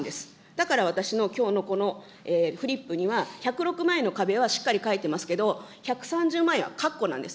だから私のきょうのこのフリップには、１０６万円の壁はしっかり書いてますけど、１３０万円は、かっこなんです。